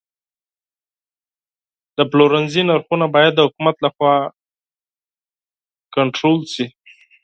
د پلورنځي نرخونه باید د حکومت لخوا کنټرول شي.